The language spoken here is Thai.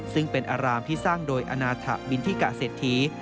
ซึ่งเป็นอารามที่สร้างโดยอาณาถะบินทิกะเศรษฐี